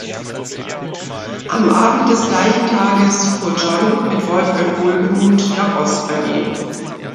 Am Abend des gleichen Tages fuhr John mit Wolfgang Wohlgemuth nach Ost-Berlin.